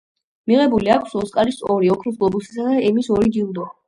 მიღებული აქვს ოსკარის ორი, ოქროს გლობუსისა და ემის ორი ჯილდო.